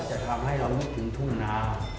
จะทำให้เรานึกถึงทุ่งนา